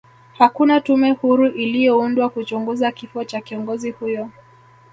hakuna tume huru iliyoundwa kuchunguza kifo cha kiongozi huyo